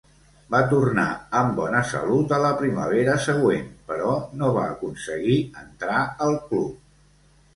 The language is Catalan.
Va tornar amb bona salut a la primavera següent, però no va aconseguir entrar al club.